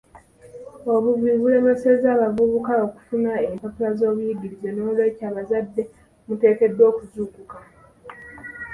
Obuvubi bulemesa abavubuka okufuna empapula z'obuyigirize n'olw'ekyo abazadde muteekeddwa okuzuukuka.